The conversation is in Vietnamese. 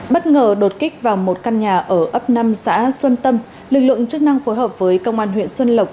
bất ngờ đột kích vào một căn nhà ở ấp năm xã xuân tâm lực lượng chức năng phối hợp với công an huyện xuân lộc